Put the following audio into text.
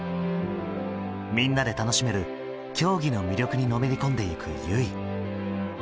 みんなで楽しめる競技の魅力にのめり込んでいく結衣。